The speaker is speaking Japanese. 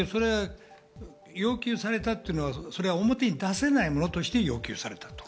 要求されたっていうのは表に出せないものとして要求された。